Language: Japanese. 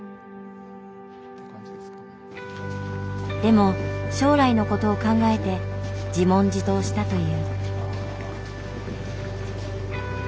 でも将来のことを考えて自問自答したという。